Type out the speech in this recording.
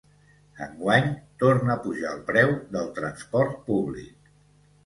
Enguany torna a pujar el preu del transport públic.